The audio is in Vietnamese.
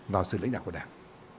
vào sự lãnh đạo của đảng